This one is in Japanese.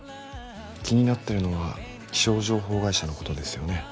気になってるのは気象情報会社のことですよね。